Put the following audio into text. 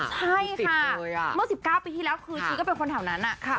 ใช่ค่ะเมื่อ๑๙ปีที่แล้วคือชีก็เป็นคนแถวนั้น